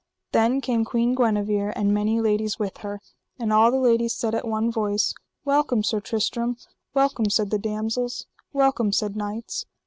Then came Queen Guenever and many ladies with her, and all the ladies said at one voice: Welcome, Sir Tristram! Welcome, said the damosels. Welcome, said knights.